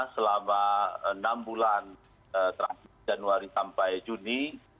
selama enam bulan terakhir januari sampai juni